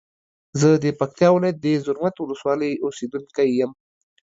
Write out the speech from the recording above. زه د پکتیا ولایت د زرمت ولسوالی اوسیدونکی یم.